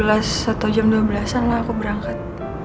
atau jam dua belas an lah aku berangkat